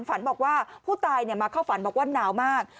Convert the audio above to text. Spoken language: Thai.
ฝันบอกว่าผู้ตายมาเข้าฝันบอกว่าหนาวมาก